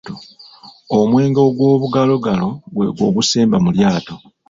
Omwenge ogwobugalogalo gwegwo ogusemba mu lyato.